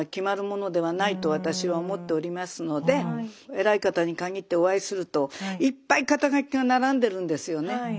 偉い方に限ってお会いするといっぱい肩書が並んでるんですよね。